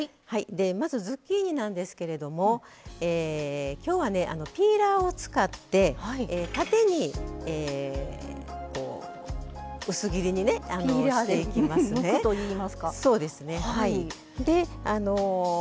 まずズッキーニなんですけれどもきょうは、ピーラーを使って縦に薄切りにしていきますね。